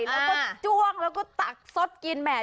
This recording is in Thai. แล้วก็จ้วงแล้วก็ตักสดกินแหม่